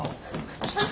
あっ。